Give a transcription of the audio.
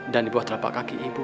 dan di bawah terlampak kaki ibu